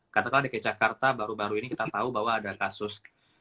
katakanlah dki jakarta baru baru ini kita tahu bahwa ada kasus